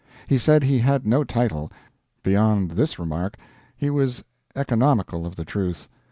He said he had no title. Beyond this remark he was economical of the truth.